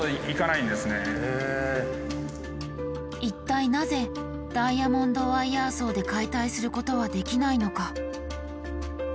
一体なぜダイヤモンドワイヤーソーで解体することはできないのか？